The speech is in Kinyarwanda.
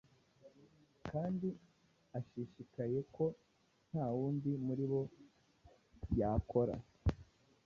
kandi ashishikaye ko nta wundi murimo yakora